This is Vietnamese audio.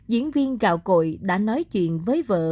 diễn viên gạo cội đã nói chuyện với vợ